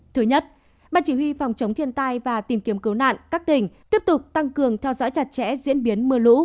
thứ nhất ban chỉ huy phòng chống thiên tai và tìm kiếm cứu nạn các tỉnh tiếp tục tăng cường theo dõi chặt chẽ diễn biến mưa lũ